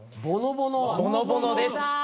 『ぼのぼの』です。